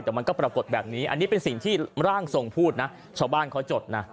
แต่มันก็ปรากฏแบบนี้อันนี้เป็นสิ่งที่ร่างทรงพูดนะชาวบ้านเขาจดนะ